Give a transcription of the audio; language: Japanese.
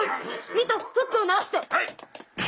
ミトフックを直して！